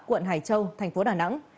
quận hải châu thành phố đà nẵng